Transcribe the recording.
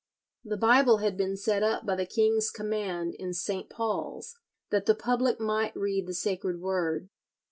The Bible had been set up by the king's command in St. Paul's, that the public might read the sacred word.